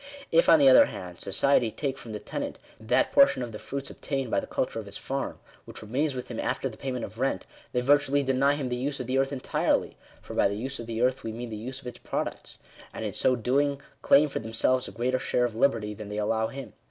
If, on the other hand, society take from the tenant that portion of the fruits obtained by the cul ture of his farm, which remains with him after the payment of rent, they virtually deny him the use of the earth entirely (for by the use of the earth we mean the use of its products), and in so doing, claim for themselves a greater share of liberty than they allow him.